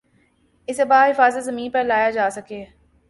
اسے بحفاظت زمین پر لایا جاسکے